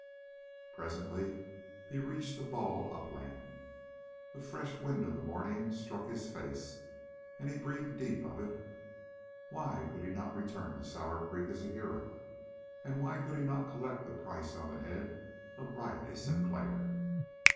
Presently he reached a bald upland. The fresh wind of the morning struck his face, and he breathed deep of it. Why could he not return to Sour Creek as a hero, and why could he not collect the price on the head of Riley Sinclair?